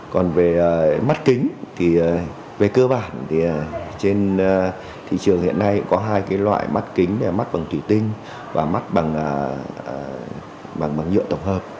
còn về mắt kính thì về cơ bản thì trên thị trường hiện nay có hai loại mắt kính mắt bằng thủy tinh và mắt bằng nhựa tổng hợp